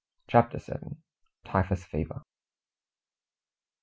CHAPTER VII. TYPHUS FEVER.